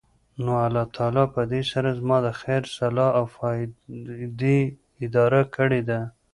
نو الله تعالی پدي سره زما د خير، صلاح او فائدي اراده کړي ده